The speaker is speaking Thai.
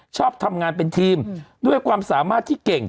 ชอบทำงานเป็นทีมด้วยความสามารถที่เก่ง